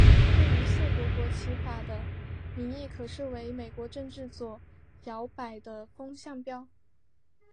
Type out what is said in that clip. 对于亵渎国旗法的民意可视为美国政治左摇摆的风向标。